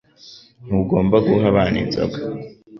Ntugomba guha abana inzoga